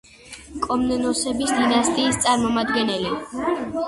კომნენოსების დინასტიის წარმომადგენელი.